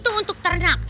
itu untuk ternak